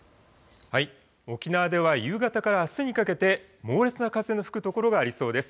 沖縄では夕方からあすにかけて猛烈な風の吹く所がありそうです。